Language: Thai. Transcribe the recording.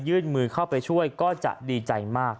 ยื่นมือเข้าไปช่วยก็จะดีใจมาก